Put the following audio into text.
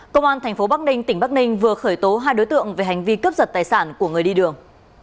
công an tp bắc ninh tỉnh bắc ninh vừa khởi tố hai đối tượng về hành vi cướp giật tài sản của người đi đường